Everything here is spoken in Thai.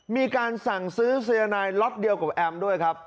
มีการสั่งซื้อสายนายล็อตเดียวกับแอมด้วยครับ